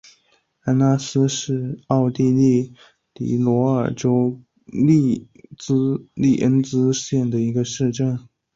安拉斯是奥地利蒂罗尔州利恩茨县的一个市镇。